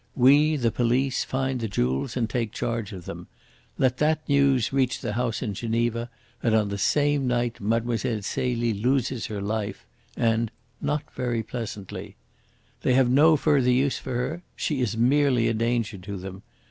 We, the police, find the jewels and take charge of them. Let that news reach the house in Geneva, and on the same night Mlle. Celie loses her life, and not very pleasantly. They have no further use for her. She is merely a danger to them.